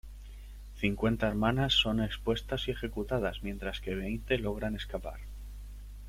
Cincuenta hermanas son expuestas y ejecutadas, mientras que veinte logran escapar.